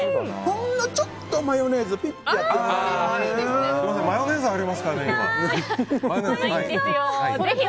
ほんのちょっとマヨネーズを入れて。